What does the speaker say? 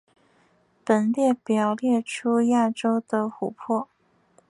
本列表列出亚洲的湖泊。